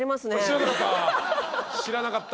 知らなかった。